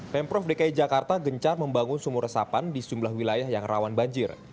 pemprov dki jakarta gencar membangun sumur resapan di sejumlah wilayah yang rawan banjir